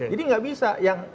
jadi tidak bisa